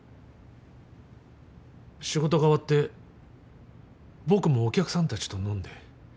仕事が終わって僕もお客さんたちと飲んで。